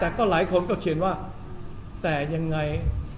น่ากลัวอะไรคนก็เขียนว่าแต่ยังไง